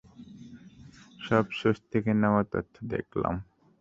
সব সোর্স থেকে নেয়া তথ্য দেখালাম।